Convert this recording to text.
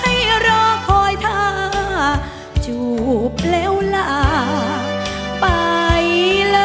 หลอกให้รอคอยท่าจูบแล้วลาไปเลยนะ